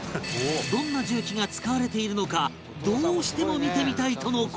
どんな重機が使われているのかどうしても見てみたいとの事